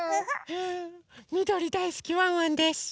みどりだいすきワンワンです！